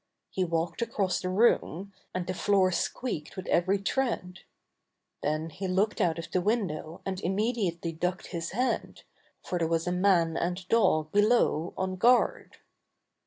He walked across the room, and the floor squeaked with every tread. Then he looked out of the window and immediately ducked his head, for there was a man and dog below on guard.